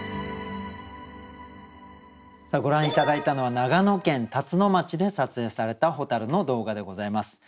ご覧頂いたのは長野県辰野町で撮影された蛍の動画でございます。